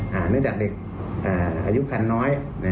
เนื่องจากเด็กอายุคันน้อย